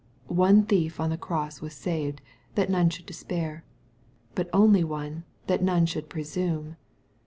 One thief on the cross was saved, that none should despair ; but only one, that none should presume.